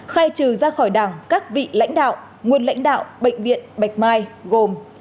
khai trừ ra khỏi đảng các vị lãnh đạo nguyên lãnh đạo bệnh viện bạch mai gồm